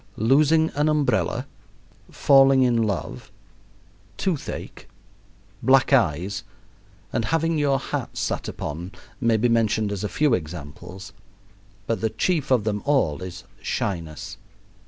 Losing an umbrella, falling in love, toothache, black eyes, and having your hat sat upon may be mentioned as a few examples, but the chief of them all is shyness.